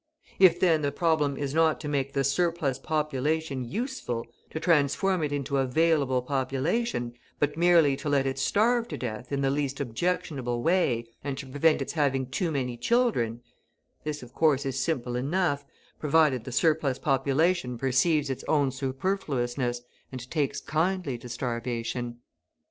If, then, the problem is not to make the "surplus population" useful, to transform it into available population, but merely to let it starve to death in the least objectionable way and to prevent its having too many children, this, of course, is simple enough, provided the surplus population perceives its own superfluousness and takes kindly to starvation.